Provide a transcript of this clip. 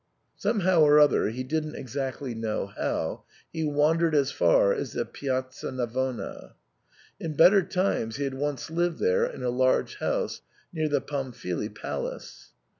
Somehow or other, he didn't exactly know how, he wandered as far as the Piazza Navona. In better times he had once lived there in a large house near the Pamfili Palace.